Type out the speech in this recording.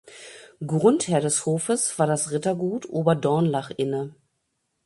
Grundherr des Hofes war das Rittergut Oberdornlach inne.